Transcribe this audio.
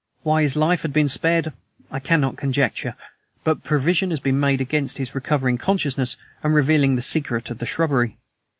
Why his life had been spared, I cannot conjecture, but provision had been made against his recovering consciousness and revealing the secret of the shrubbery.